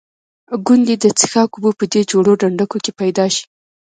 ګوندې د څښاک اوبه په دې جوړو ډنډوکو کې پیدا شي.